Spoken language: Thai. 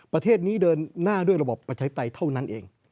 ประเทศนี้เดินหน้าด้วยระบบประชาธิปไตยเท่านั้นเอง